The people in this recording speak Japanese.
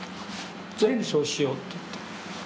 全部そうしようっていって。